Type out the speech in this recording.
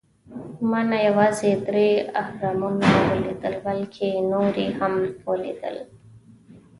ما نه یوازې درې اهرامونه ولیدل، بلکې نور یې هم ولېدل.